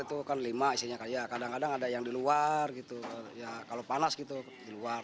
itu kan lima isinya kayak kadang kadang ada yang di luar gitu ya kalau panas gitu di luar